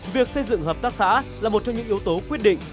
việc xây dựng hợp tác xã là một trong những yếu tố quyết định